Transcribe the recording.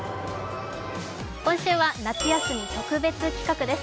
今週は夏休み特別企画です。